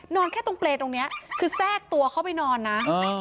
นอนแค่ตรงเปรตตรงเนี้ยคือแทรกตัวเข้าไปนอนนะอ่า